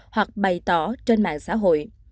hoặc bày tỏ trên mạng xã hội